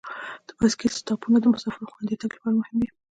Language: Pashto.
د بایسکل سټاپونه د مسافرو خوندي تګ لپاره مهم دي.